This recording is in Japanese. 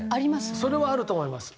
それはあると思います。